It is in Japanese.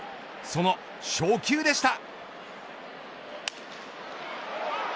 その初球でした。